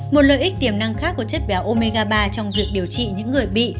một lợi ích tiềm năng khác của chất béo omega ba trong việc điều trị những người bị